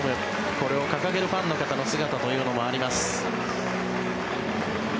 これを掲げるファンの姿というのもあります。